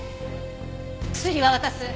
薬は渡す。